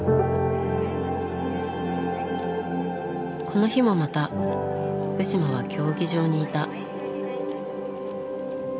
この日もまた福島は競技場にいた。